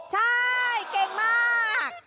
ใช่เก่งมาก